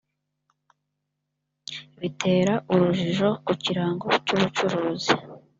bitera urujijo ku kirango cy’ubucuruzi